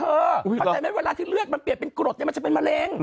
เข้าใจไหมเวลาที่เลือดมันเปลี่ยนเป็นกรดมันจะเป็นมะเร็ง